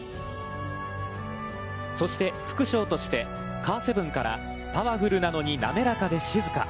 そして副賞として、カーセブンからパワフルなのに、なめらかで静か。